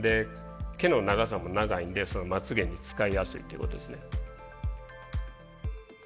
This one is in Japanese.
毛の長さも長いんでまつげに使いやすいっていうことですね。